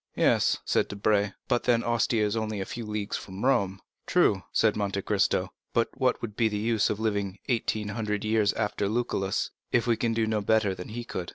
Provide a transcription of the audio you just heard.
"Yes," said Debray, "but then Ostia is only a few leagues from Rome." "True," said Monte Cristo; "but what would be the use of living eighteen hundred years after Lucullus, if we can do no better than he could?"